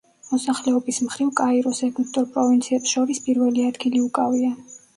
მოსახლეობის მხრივ კაიროს ეგვიპტურ პროვინციებს შორის პირველი ადგილი უკავია.